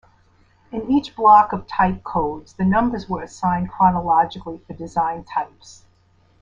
In each block of type codes, the numbers were assigned chronologically for designed types.